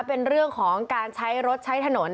เป็นเรื่องของการใช้รถใช้ถนน